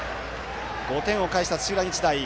５点を返した土浦日大。